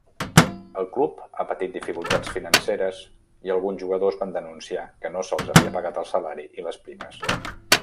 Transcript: El club ha patit dificultats financeres i alguns jugadors van denunciar que no se'ls havia pagat el salari i les primes.